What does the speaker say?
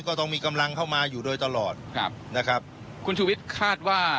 ก็ต้องมีกำลังเข้ามาอยู่โดยตลอดครับนะครับคุณชูวิทย์คาดว่า